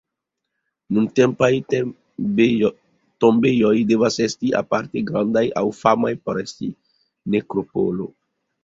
Nuntempaj tombejoj devas esti aparte grandaj aŭ famaj por esti "nekropolo".